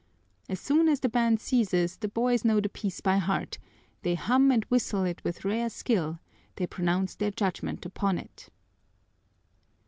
As soon as the band ceases, the boys know the piece by heart, they hum and whistle it with rare skill, they pronounce their judgment upon it.